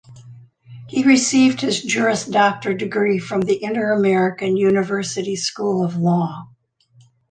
He received his Juris Doctor degree from the Interamerican University School of Law.